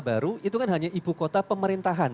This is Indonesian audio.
baru itu kan hanya ibu kota pemerintahan